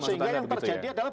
sehingga yang terjadi adalah